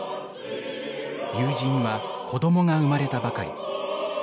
友人は子供が生まれたばかり。